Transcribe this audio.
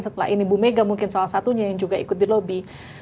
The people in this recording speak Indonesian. setelah ini bu mega mungkin salah satunya yang juga ikut di lobi